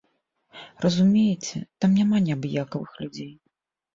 Разумееце, там няма неабыякавых людзей.